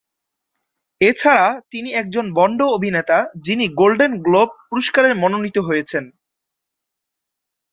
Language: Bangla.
এছাড়া তিনি একজন বন্ড অভিনেতা যিনি গোল্ডেন গ্লোব পুরস্কারের মনোনীত হয়েছেন।